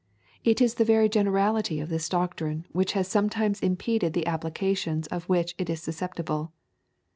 It is the very generality of this doctrine which has somewhat impeded the applications of which it is susceptible.